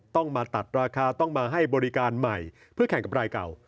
ต้องมาตัดราคาต้องมาให้บริการใหม่เพื่อแข่งกับรายเก่า